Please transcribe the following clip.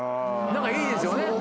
何かいいですよね。